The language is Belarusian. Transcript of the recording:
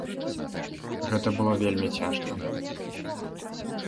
Гэта было вельмі цяжка.